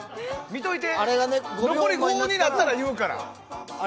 あれがね残り５になったら言うから。